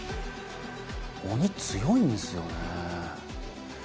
鬼強いんですよねぇ。